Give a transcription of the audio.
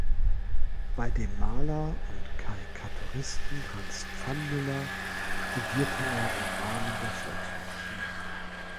Bei dem Maler und Karikaturisten Hans Pfannmüller studierte er im Rahmen der Volkshochschule.